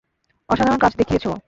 অসাধারণ কাজ দেখিয়েছ।